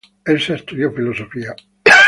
Elsa estudió filosofía.